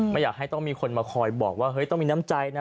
ไม่อยากให้ต้องมีคนมาคอยบอกว่าเฮ้ยต้องมีน้ำใจนะ